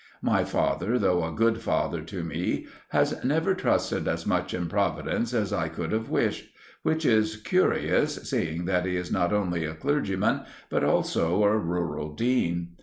My father, though a good father to me, has never trusted as much in Providence as I could have wished; which is curious, seeing that he is not only a clergyman but also a rural dean.